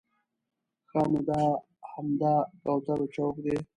ښه نو همدا د کوترو چوک دی.